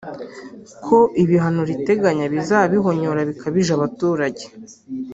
ko ibihano riteganya bizaba bihonyora bikabije abaturage